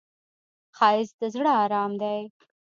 ښایست د زړه آرام دی